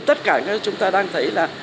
tất cả các chúng ta đang thấy là